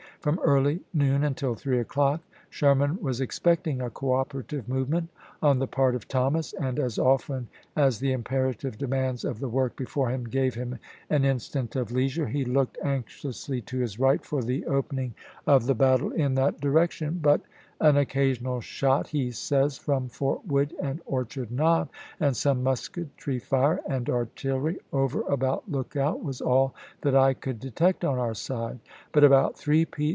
From early noon until three o'clock, Sherman was expecting a cooperative movement on the part of Thomas, and as often as the imperative demands of the work before him gave him an instant of leisure, he looked anxiously to his right for the opening of the battle CHATTANOOGA 147 in that direction ; but " an occasional shot," he says, chap. v. "from Fort Wood and Orchard Knob, and some musketry fire and artillery over about Lookout, was all that I could detect on our side ; but about 3 p.